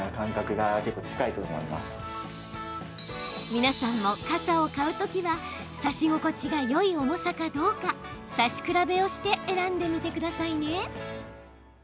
皆さんも傘を買うときは差し心地がよい重さかどうか差し比べをして選んでみてくださいね。